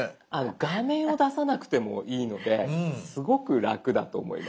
画面を出さなくてもいいのですごく楽だと思います。